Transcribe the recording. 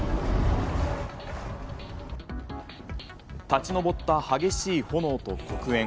立ち上った激しい炎と黒煙。